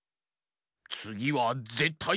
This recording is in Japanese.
つぎはぜったい。